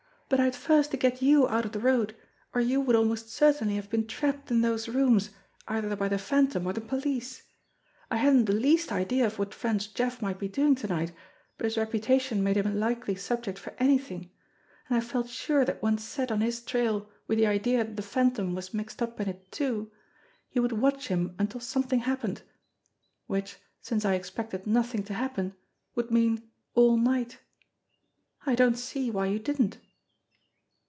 "But I had first to get you out of the road, or you would almost certainly have been trapped in those rooms either by the Phantom or the police. I hadn't the least idea of what French Jeff might be doing to night, but his reputation made him a likely subject for anything, and I felt sure that once set on his trail with the idea that the Phantom was mixed up in it too, you would watch him until something happened which, since I expected nothing to happen, would mean all night. I don't see why you didn't."